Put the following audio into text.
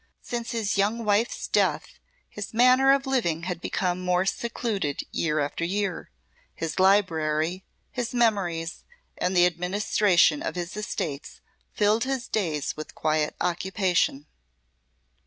Since his young wife's death his manner of living had become more secluded year after year; his library, his memories, and the administration of his estates filled his days with quiet occupation.